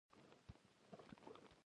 درې متره پلنوالی او يو متر لوړوالی لري،